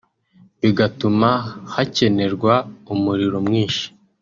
bigatuma hakenerwa umuriro mwinshi